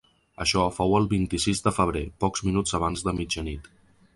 Això fou el vint-i-sis de febrer, pocs minuts abans de mitjanit.